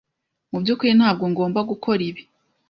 Mu byukuri ntabwo ngomba gukora ibi.